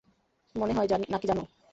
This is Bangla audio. মনে হয়, নাকি জানো?